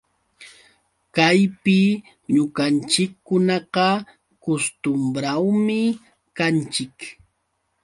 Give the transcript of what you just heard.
Kaypi ñuqanchikkunaqa kustumbrawmi kanchik